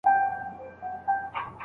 موږ د معقولو خلګو خبرو ته تږي یو.